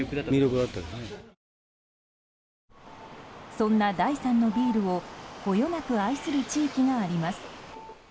そんな第三のビールをこよなく愛する地域があります。